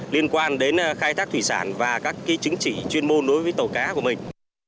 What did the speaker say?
liên quan đến khai thác thủy sản và các chính trị chuyên môn đối với tàu cá của mình